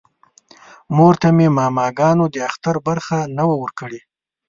مور ته مې ماماګانو د اختر برخه نه وه ورکړې